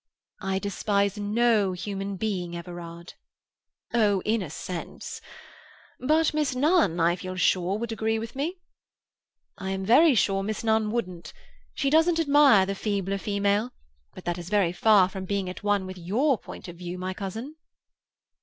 "I despise no human being, Everard." "Oh, in a sense! But Miss Nunn, I feel sure, would agree with me." "I am very sure Miss Nunn wouldn't. She doesn't admire the feebler female, but that is very far from being at one with your point of view, my cousin."